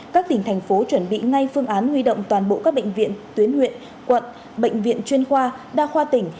các tỉnh thành phố chuẩn bị ngay phương án huy động toàn bộ các bệnh viện tuyến huyện quận bệnh viện chuyên khoa đa khoa tỉnh